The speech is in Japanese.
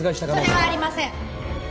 それはありません！